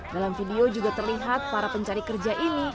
dalam video juga terlihat para pencari kerja ini